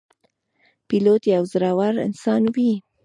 پیلوټ یو زړهور انسان وي.